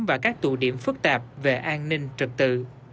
và các tụ điểm phức tạp về an ninh trật tự